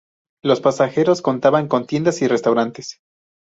Los pasajeros contaban con tiendas y restaurantes.